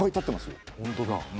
本当だ。